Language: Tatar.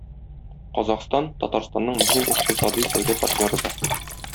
Казахстан Татарстанның мөһим икътисади-сәүдә партнеры да.